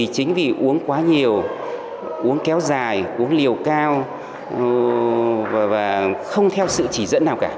chính vì uống quá nhiều uống kéo dài uống liều cao và không theo sự chỉ dẫn nào cả